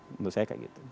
menurut saya kayak gitu